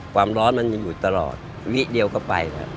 ความร้อนมันอยู่ตลอดวิ่งเดียวก็ไปแล้ว